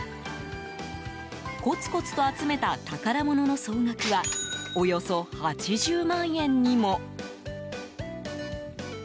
コツコツと集めた宝物の総額はおよそ８０万円にも。